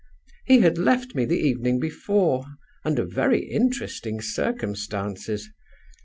He had left me the evening before, under very interesting circumstances.